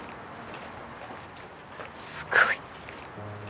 すごい。